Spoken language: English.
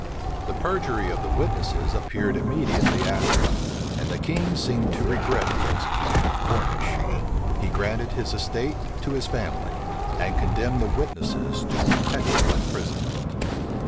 The perjury of the witnesses appeared immediately after; and the king seemed to regret the execution of Cornish. He granted his estate to his family, and condemned the witnesses to perpetual imprisonment.